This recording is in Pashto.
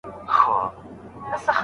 تېر وخت هېرول د روحي ارامۍ لاره ده.